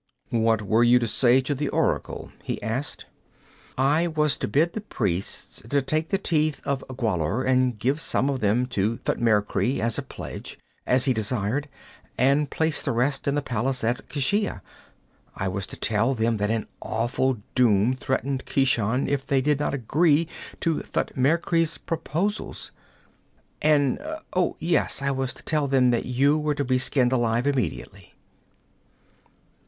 'What were you to say as the oracle?' he asked. 'I was to bid the priests to take the Teeth of Gwahlur and give some of them to Thutmekri as a pledge, as he desired, and place the rest in the palace at Keshia. I was to tell them that an awful doom threatened Keshan if they did not agree to Thutmekri's proposals. And, oh, yes, I was to tell them that you were to be skinned alive immediately.'